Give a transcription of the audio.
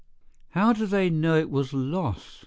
"How do they know it was lost?"